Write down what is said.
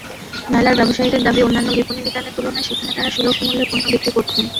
মেলার ব্যবসায়ীদের দাবি, অন্যান্য বিপণিবিতানের তুলনায় সেখানে তারা সুলভমূল্যে পণ্য বিক্রি করছেন।